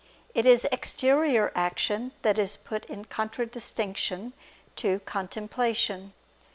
It is exterior action that is put in contradistinction to contemplation.